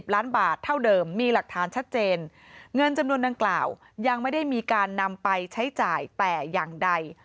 ล้านบาทเท่าเดิมมีหลักฐานชัดเจนเงินจำนวนดังกล่าวยังไม่ได้มีการนำไปใช้จ่ายแต่อย่างใด